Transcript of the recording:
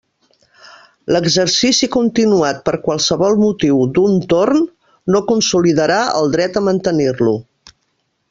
L'exercici continuat per qualsevol motiu d'un torn no consolidarà el dret a mantenir-lo.